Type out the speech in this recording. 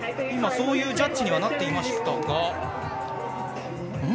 そういうジャッジにはなっていましたが。